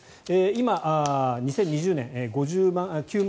今、２０２０年５９万